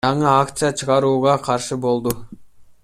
жаңы акция чыгарууга каршы болду.